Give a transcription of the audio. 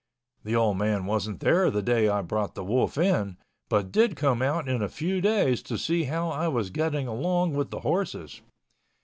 The old man wasn't there the day I brought the wolf in, but did come out in a few days to see how I was getting along with the horses.